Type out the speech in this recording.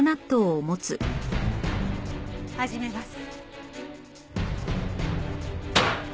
始めます。